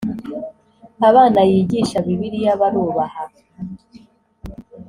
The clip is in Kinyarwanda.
abana yigisha bibiliya barubaha